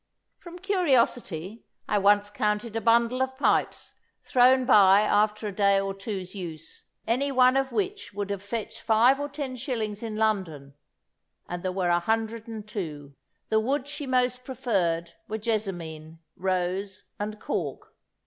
From curiosity, I once counted a bundle of pipes, thrown by after a day or two's use, any one of which would have fetched five or ten shillings in London, and there were 102. The woods she most preferred were jessamine, rose, and cork.